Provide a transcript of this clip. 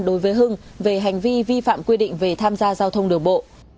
đối với hưng về hành vi vi phạm quy định về tham gia giao thông đường bộ